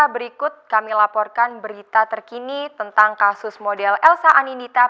berikut kami laporkan berita terkini tentang kasus model elsa aninita